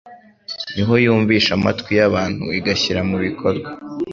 ni ho yumvisha amatwi y abantu igashyira mu bikorwa